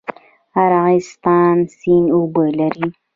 ارغستان سیند اوبه لري؟